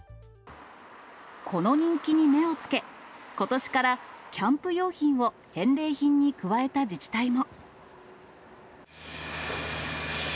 この人気に目をつけ、ことしからキャンプ用品を返礼品に加えた自治体も。